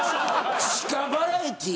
地下バラエティー。